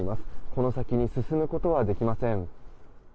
この先、進むことはできません。